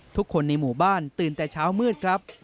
ทุกคนในหมู่บ้านตื่นแต่เช้ามืดครับ